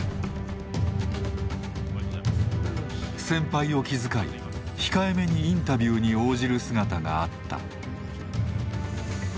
先輩を気遣い控えめにインタビューに応じる姿があった。